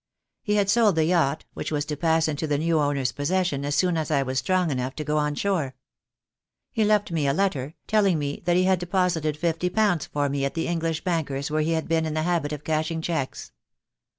He had sold the yacht, which was to pass into the new owner's possession as soon as I was strong enough to go on shore. He left me a letter, telling me that he had deposited fifty pounds for me at the English bankers where he had been in the habit of cashing cheques.